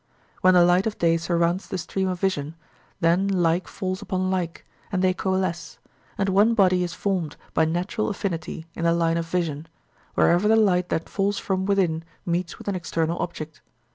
When the light of day surrounds the stream of vision, then like falls upon like, and they coalesce, and one body is formed by natural affinity in the line of vision, wherever the light that falls from within meets with an external object.